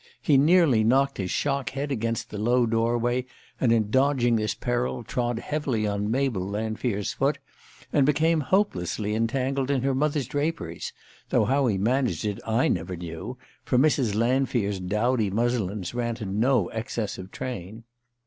He nearly knocked his shock head against the low doorway, and in dodging this peril trod heavily on Mabel Lanfear's foot, and became hopelessly entangled in her mother's draperies though how he managed it I never knew, for Mrs. Lanfear's dowdy muslins ran to no excess of train.